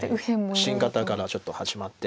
新型からちょっと始まって。